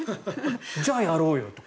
じゃあ、やろうよと。